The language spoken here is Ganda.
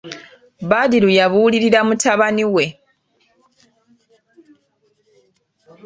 Badru yabuulirira mutabani we.